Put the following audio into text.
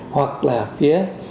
hoặc là phía